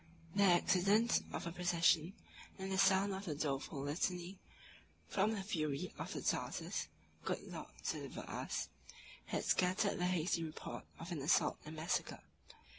The accident of a procession, and the sound of a doleful litany, "From the fury of the Tartars, good Lord, deliver us," had scattered the hasty report of an assault and massacre.